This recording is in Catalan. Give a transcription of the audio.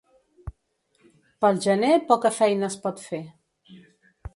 Pel gener poca feina es pot fer.